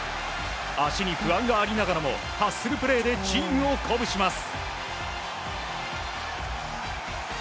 足に不安がありながらもハッスルプレーでチームを鼓舞します。